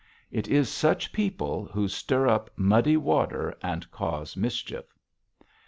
It is such people who stir up muddy water and cause mischief.